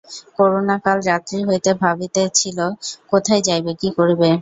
করুণা কাল রাত্রি হইতে ভাবিতেছিল কোথায় যাইবে, কী করিবে।